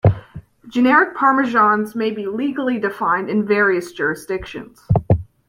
Generic parmesans may be legally defined in various jurisdictions.